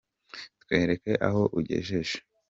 Twereke aho ugejeje